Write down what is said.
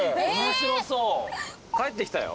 帰ってきたよ。